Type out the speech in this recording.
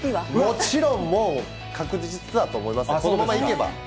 もちろんもう、確実だと思いますけど、このままいけば。